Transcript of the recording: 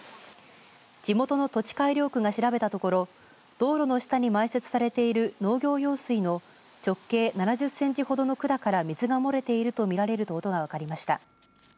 地元の土地改良区が調べたところ道路の下に埋設されている農業用水の直径７０センチほどの管から水が漏れていると見られるということが分かりました。